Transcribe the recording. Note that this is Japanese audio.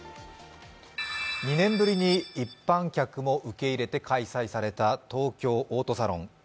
２年ぶりに一般客も受け入れて開催された東京オートサロン。